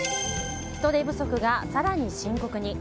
人手不足が更に深刻に。